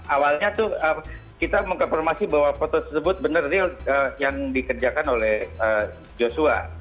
awalnya tuh kita mengkonfirmasi bahwa foto tersebut benar real yang dikerjakan oleh joshua